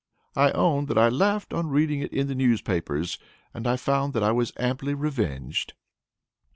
I own that I laughed on reading it in the newspapers, and I found that I was amply revenged."